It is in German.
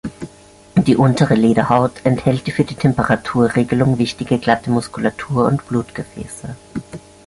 Die untere Lederhaut enthält die für die Temperaturregelung wichtige glatte Muskulatur und Blutgefäße.